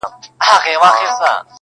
څرخ یې وخوړ او کږه سوه ناببره؛